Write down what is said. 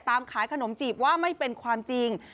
ขายขนมจีบว่าไม่เป็นความจริง